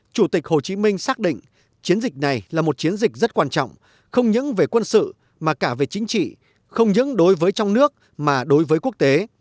chủ tịch hồ chí minh xác định chiến dịch này là một chiến dịch rất quan trọng không những về quân sự mà cả về chính trị không những đối với trong nước mà đối với quốc tế